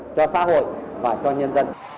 cho xã hội và cho nhân dân